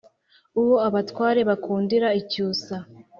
uwo abatware bakundira icyusa,